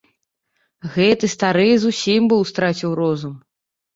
Гэты стары зусім быў страціў розум.